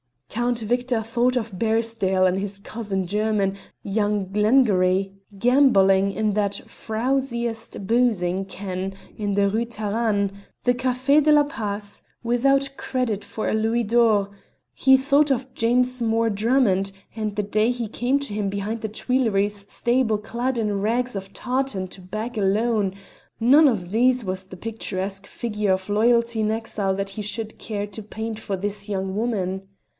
Count Victor thought of Barisdale and his cousin german, young Glengarry, gambling in that frowsiest boozing ken in the Rue Tarane the Café de la Paix without credit for a louis d'or; he thought of James Mor Drummond and the day he came to him behind the Tuileries stable clad in rags of tartan to beg a loan; none of these was the picturesque figure of loyalty in exile that he should care to paint for this young woman.